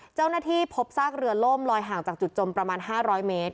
เจ้าหน้าที่พบซากเรือล่มลอยห่างจากจุดจมประมาณ๕๐๐เมตร